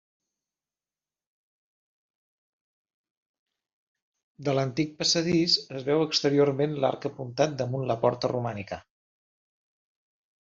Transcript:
De l'antic passadís es veu exteriorment l'arc apuntat damunt la porta romànica.